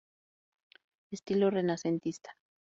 Estilo renacentista.